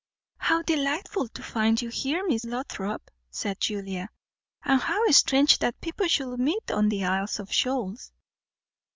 "How delightful to find you here, Miss Lothrop!" said Julia, "and how strange that people should meet on the Isles of Shoals."